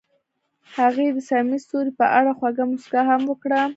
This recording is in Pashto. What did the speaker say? هغې د صمیمي ستوري په اړه خوږه موسکا هم وکړه.